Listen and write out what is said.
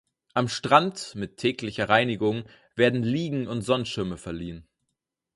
Am Strand, mit täglicher Reinigung, werden Liegen und Sonnenschirme verliehen.